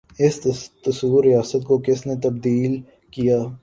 اس تصور ریاست کو کس نے تبدیل کیا؟